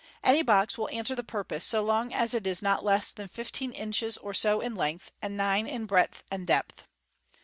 Any box will answer the purpose, so long as it is not less than fifteen inches or so in length, and nine in breadth and depth.